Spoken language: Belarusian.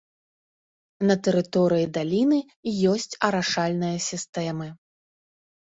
На тэрыторыі даліны ёсць арашальныя сістэмы.